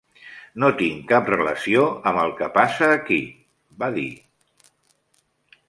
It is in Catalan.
"No tinc cap relació amb el que passa aquí", va dir.